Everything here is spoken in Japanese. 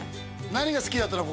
何が好きだったの？